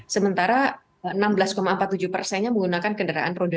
sementara enam belas empat puluh tujuh persennya menggunakan kendaraan roda dua